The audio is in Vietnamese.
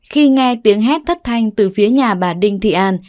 khi nghe tiếng hát thất thanh từ phía nhà bà đinh thị an